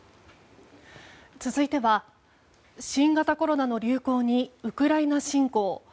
続いては新型コロナの流行にウクライナ侵攻。